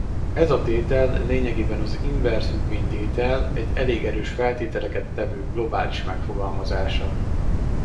Ez a tétel lényegében az inverzfüggvény-tétel egy elég erős feltételeket tevő globális megfogalmazása.